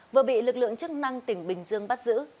vừa bị lực lượng chức năng tỉnh bình dương bắt giữ